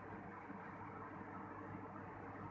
แต่ว่าจะเป็นแบบนี้